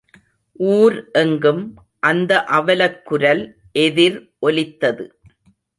ஊர் எங்கும் அந்த அவலக் குரல் எதிர் ஒலித்தது.